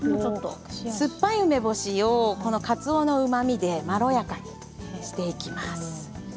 酸っぱい梅干しをかつおのうまみでまろやかにしていきます。